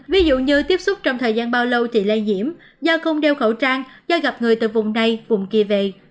ví dụ như tiếp xúc trong thời gian bao lâu thì lây nhiễm do không đeo khẩu trang do gặp người từ vùng đây vùng kia về